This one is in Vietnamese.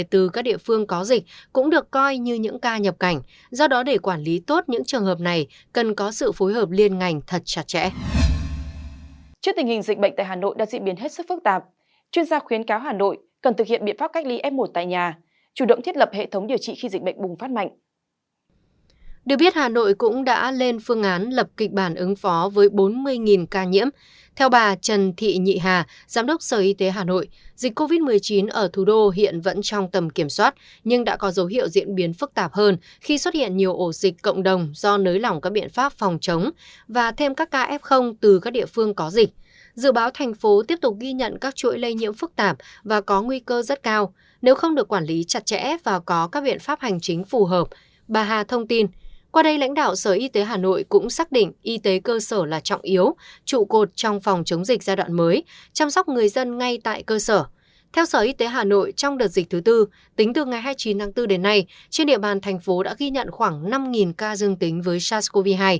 trong đợt dịch thứ tư tính từ ngày hai mươi chín tháng bốn đến nay trên địa bàn thành phố đã ghi nhận khoảng năm ca dương tính với sars cov hai